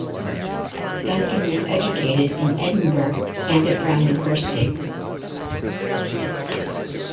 Duncan was educated in Edinburgh and at Brown University.